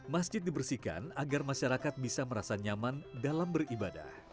masjid dibersihkan agar masyarakat bisa merasa nyaman dalam beribadah